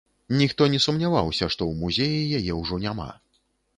Ніхто не сумняваўся, што ў музеі яе ўжо няма.